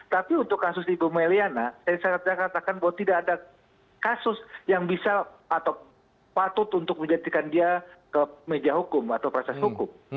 tapi untuk kasus ibu may liana saya katakan bahwa tidak ada kasus yang bisa atau patut untuk menjadikan dia ke meja hukum atau proses hukum